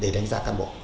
đánh giá cán bộ